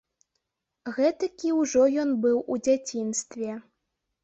Гэтакі ўжо ён быў у дзяцінстве.